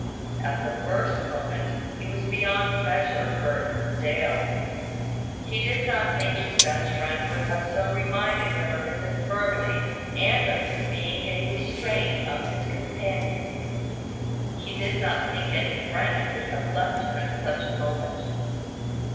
At the first moment, he was beyond measure hurt with Dale. He did not think his best friend would have so reminded him of his infirmity, and of his being a restraint on his companions. He did not think any friend could have left him at such a moment.